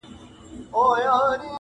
پر طالع دي برابر هغه لوی ښار سي.!